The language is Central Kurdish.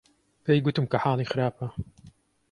پێی گوتم کە حاڵی خراپە.